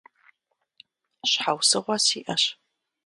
Щхьэусыгъуэ сиӀэщ.